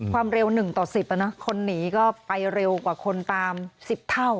ความเร็ว๑ต่อ๑๐คนหนีก็ไปเร็วกว่าคนตาม๑๐เท่า